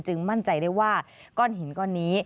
มั่นใจได้ว่าก้อนหินก้อนนี้